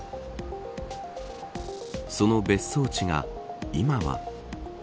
その別荘地が今は。